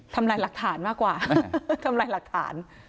ทำลายหลักฐานมากกว่าทำลายหลักฐาน